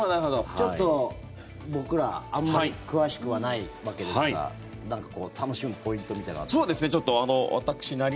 ちょっと僕らあんまり詳しくはないわけですが楽しむポイントみたいなのがあったら。